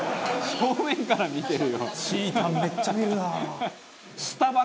正面から見てるよ」